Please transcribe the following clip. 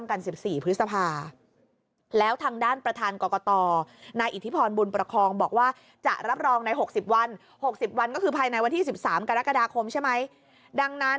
เกิดอุบัติเหตุนั้นเป็นอุบัติเหตุได้น้อยที่สุด